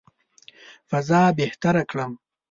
فضا بهتره کړم.